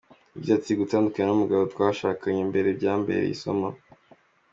Yagize ati :« Gutandukana n’umugabo twashakanye mbere byambereye isomo.